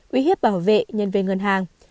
uy hiếp bảo vệ nhân viên ngân hàng